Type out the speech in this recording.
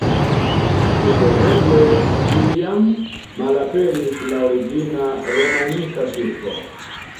Supozeble tiam malaperis la origina romanika kirko.